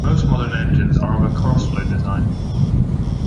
Most modern engines are of a crossflow design.